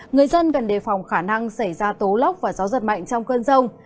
người dân cần đề phòng khả năng xảy ra tố lốc và gió giật mạnh trong cơn rông